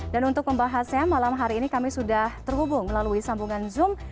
dan untuk pembahasnya malam hari ini kami sudah terhubung melalui sambungan zoom